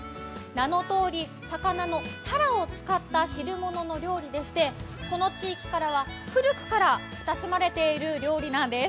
名のとおり、魚のたらを使った汁物の料理でしてこの地域からは古くから親しまれている料理なんです。